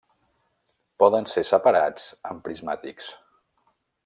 Poden ser separats amb prismàtics.